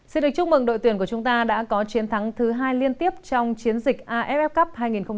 xin được chúc mừng đội tuyển của chúng ta đã có chiến thắng thứ hai liên tiếp trong chiến dịch aff cup hai nghìn một mươi chín